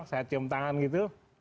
saya cium tangan gitu